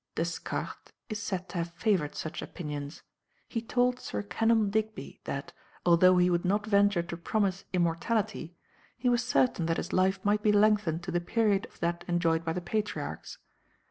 Descartes is said to have favoured such opinions; he told Sir Kenelm Digby that, although he would not venture to promise immortality, he was certain that his life might be lengthened to the period of that enjoyed by the patriarchs.